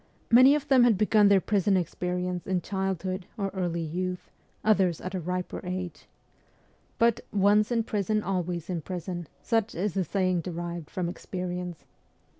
Many of them had begun their prison experience in childhood or early youth, others at a riper age. But 'once in prison, always in prison/ such is the saying derived from experience.